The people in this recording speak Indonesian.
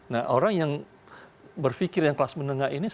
nah orang yang berpikir yang kelas menengah ini